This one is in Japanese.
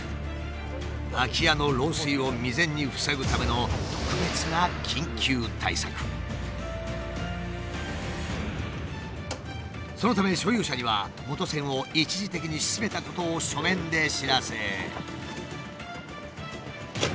空き家の漏水を未然に防ぐためのそのため所有者には元栓を一時的にしめたことを書面で知らせ。